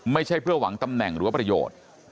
ไม่ใช่เพื่อหวังตำแหน่งหรือว่าประโยชน์